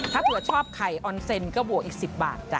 ถ้าเผื่อชอบไข่ออนเซนก็บวกอีก๑๐บาทจ้